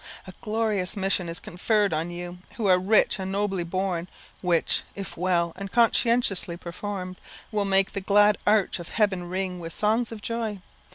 A glorious mission is conferred on you who are rich and nobly born, which, if well and conscientiously performed, will make the glad arch of heaven ring with songs of joy.